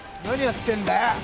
何やってんだよ！